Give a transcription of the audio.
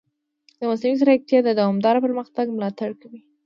مصنوعي ځیرکتیا د دوامدار پرمختګ ملاتړ کوي.